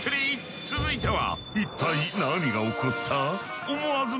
続いては。